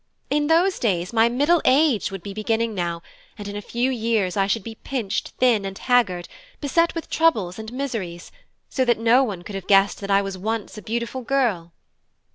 In those days my middle age would be beginning now, and in a few years I should be pinched, thin, and haggard, beset with troubles and miseries, so that no one could have guessed that I was once a beautiful girl.